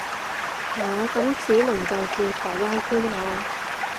下，咁只能夠叫台灣官話